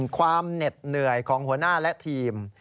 เหน็ดเหนื่อยของหัวหน้าและทีม